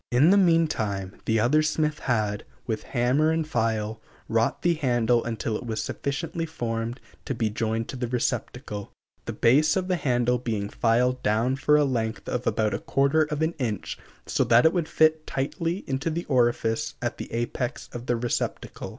In the meantime the other smith had, with hammer and file, wrought the handle until it was sufficiently formed to be joined to the receptacle, the base of the handle being filed down for a length of about a quarter of an inch so that it would fit tightly into the orifice at the apex of the receptacle.